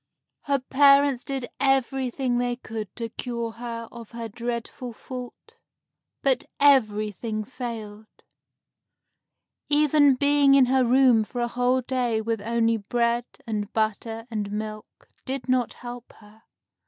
Her parents did everything they could to cure her of her dreadful fault, but everything failed. Even being in her room for a whole day with only bread and butter and milk did not help her.